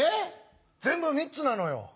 全部３つなのよ。